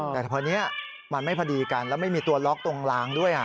แต่พอนี้มันไม่พอดีกันแล้วไม่มีตัวล็อกตรงลางด้วย